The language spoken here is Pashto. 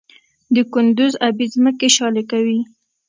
د کندز ابي ځمکې شالې کوي؟